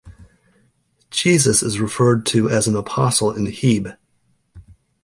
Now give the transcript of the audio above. Jesus is referred to as an apostle in Heb.